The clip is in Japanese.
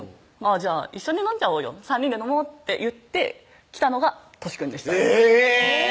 「じゃあ一緒に飲んじゃおうよ３人で飲もう」って言って来たのがとしくんでしたえぇ！